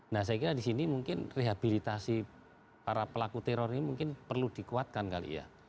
nah saya kira di sini mungkin rehabilitasi para pelaku teror ini mungkin perlu dikuatkan kali ya